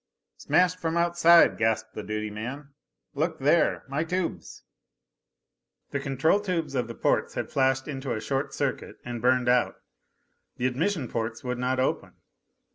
"Smashed from outside," gasped the duty man. "Look there my tubes " The control tubes of the ports had flashed into a short circuit and burned out. The admission ports would not open!